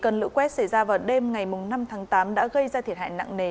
cần lựu quét xảy ra vào đêm ngày năm tháng tám đã gây ra thiệt hại nặng nề